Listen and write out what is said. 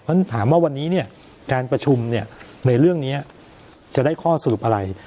ฉะถามว่าวันนี้การประชุมในเรื่องนี้จะได้ข้อสรุปอะไร